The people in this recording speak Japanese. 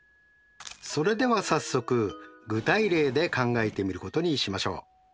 それでは早速具体例で考えてみることにしましょう。